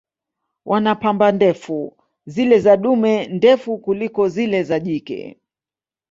Wana pamba ndefu, zile za dume ndefu kuliko zile za jike.